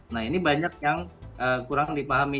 nah ini banyak yang kurang dipahami